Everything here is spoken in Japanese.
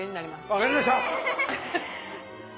分かりました！